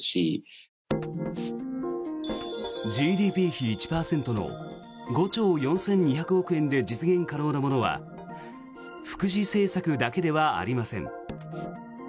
ＧＤＰ比１％の５兆４２００億円で実現可能なものは福祉政策だけではありません。